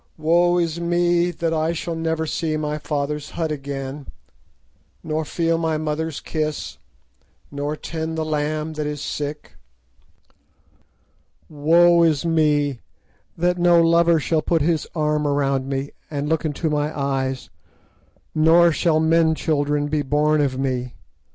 Woe is me, that I shall never see my father's hut again, nor feel my mother's kiss, nor tend the lamb that is sick! Woe is me, that no lover shall put his arm around me and look into my eyes, nor shall men children be born of me!